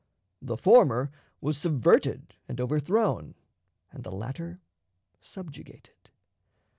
The former was subverted and overthrown, and the latter subjugated.